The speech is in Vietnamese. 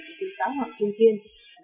của thư giãn hoàng trung tiên